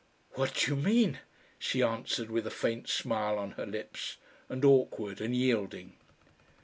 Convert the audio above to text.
"What do you mean?" she answered with a faint smile on her lips, and awkward and yielding.